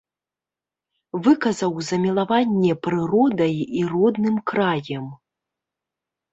Выказваў замілаванне прыродай і родным краем.